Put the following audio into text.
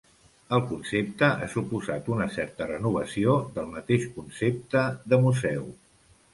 El concepte ha suposat una certa renovació del mateix concepte de museu.